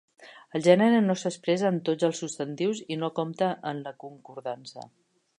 El gènere no s'expressa en tots els substantius i no compta en la concordança.